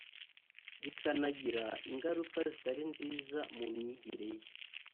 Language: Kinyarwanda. bikanagira ingaruka zitari nziza mu myigire ye